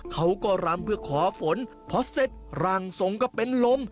เขาก็รำเพื่อขอฝนพอเสร็จร่างทรงก็เป็นลม